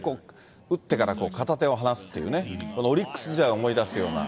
打ってから片手を放すっていうね、オリックス時代を思い出すような。